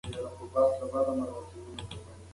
درد اراموونکي درمل باید محدود شي.